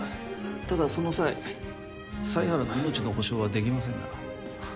ただその際犀原の命の保証はできませんが。